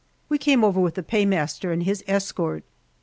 We came over with the paymaster and his escort.